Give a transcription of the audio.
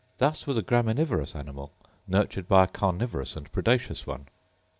Thus was a graminivorous animal nurtured by a carnivorous and predaceous one!